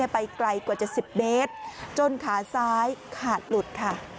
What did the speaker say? ไปไกลกว่าจะ๑๐เมตรจนขาซ้ายขาดหลุดค่ะ